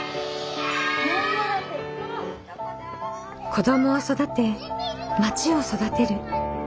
子どもを育てまちを育てる。